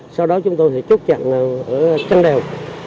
sau đó chúng tôi sẽ chốt chặn ở kênh đèo